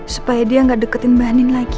supaya dia nggak deketin mbak andin lagi